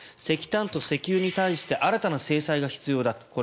石炭と石油に対して新たな制裁が必要だと。